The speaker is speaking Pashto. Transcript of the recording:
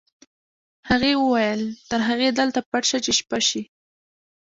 هغې وویل تر هغې دلته پټ شه چې شپه شي